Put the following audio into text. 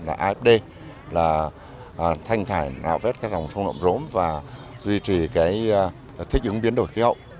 là afd là thanh thải nạo vết các rồng trong lộn rốm và duy trì thích ứng biến đổi khí hậu